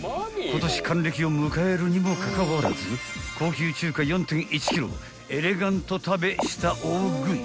今年還暦を迎えるにもかかわらず高級中華４．１ｋｇエレガント食べした大食い］